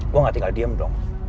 gue gak tinggal diem dong